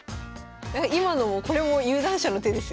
今のもこれも有段者の手ですよ。